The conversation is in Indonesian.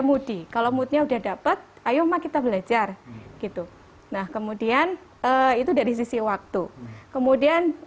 mudi kalau moodnya udah dapat ayo ma kita belajar gitu nah kemudian itu dari sisi waktu kemudian